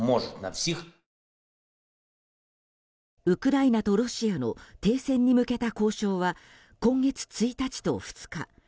ウクライナとロシアの停戦に向けた交渉は今月１日と２日